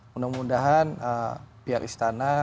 mudah mudahan pihak istana